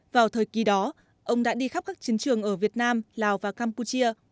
vào thời kỳ đó ông đã đi khắp các chiến trường ở việt nam lào và campuchia